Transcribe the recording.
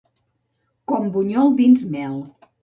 Com bunyol dins mel.